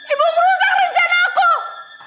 ibu merusak rencana aku